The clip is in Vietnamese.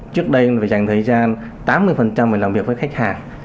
trước đây phải dành thời gian tám mươi làm việc với khách hàng